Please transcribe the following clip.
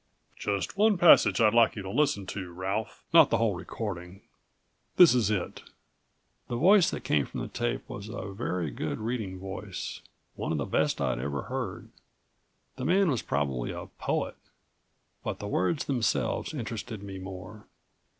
"Just one passage I'd like you to listen to, Ralph. Not the whole recording. This is it " The voice that came from the tape was a very good reading voice, one of the best I'd ever heard. The man was probably a poet. But the words themselves interested me more.